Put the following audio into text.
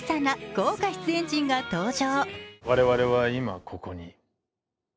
豪華出演陣が登場。